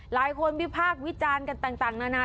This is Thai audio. วิพากษ์วิจารณ์กันต่างนานา